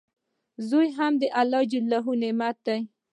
زوی هم د الله نعمت دئ.